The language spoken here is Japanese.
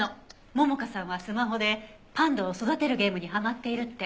桃香さんはスマホでパンダを育てるゲームにハマっているって。